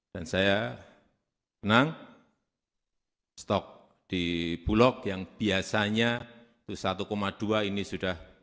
dan saya senang stok di bulog yang biasanya satu dua ini sudah